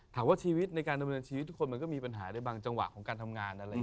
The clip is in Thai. ถามว่าชีวิตในการดำเนินชีวิตทุกคนมันก็มีปัญหาในบางจังหวะของการทำงานอะไรอย่างนี้